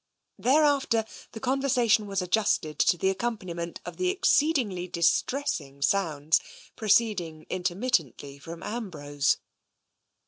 Thereafter the conversation was adjusted to the ac companiment of the exceedingly distressing sounds proceeding intermittently from Ambrose.